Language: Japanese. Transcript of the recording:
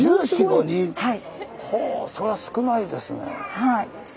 はい。